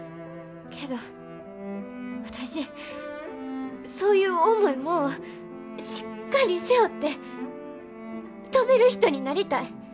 けど私そういう重いもんをしっかり背負って飛べる人になりたい。